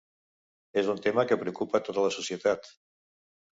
És un tema que preocupa tota la societat.